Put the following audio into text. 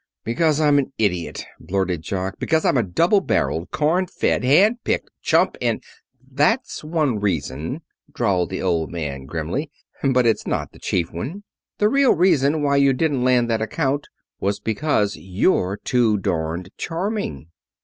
"Because I'm an idiot," blurted Jock. "Because I'm a double barreled, corn fed, hand picked chump and " "That's one reason," drawled the Old Man grimly. "But it's not the chief one. The real reason why you didn't land that account was because you're too darned charming."